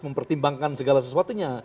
mempertimbangkan segala sesuatunya